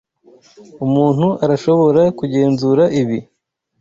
Umuntu arashobora kugenzura ibi?